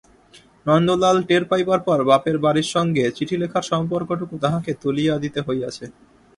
নন্দলাল টের পাইবার পর বাপের বাড়ির সঙ্গে চিঠি লেখার সম্পর্কটুকু তাহাকে তুলিয়া দিতে হইয়াছে।